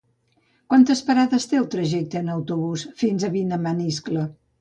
Quantes parades té el trajecte en autobús fins a Vilamaniscle?